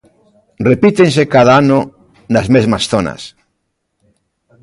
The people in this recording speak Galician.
Repítense cada ano nas mesmas zonas.